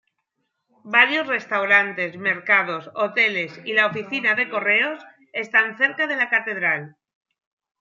Varios restaurantes, mercados, hoteles y la oficina de correos están cerca de la catedral.